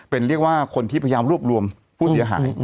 เป็นเรียกว่าคนที่พยายามรวบรวมผู้เสียหาย